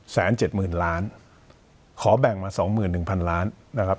แสนเจ็ดหมื่นล้านขอแบ่งมาสองหมื่นหนึ่งพันล้านนะครับ